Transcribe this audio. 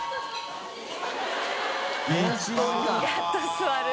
やっと座る。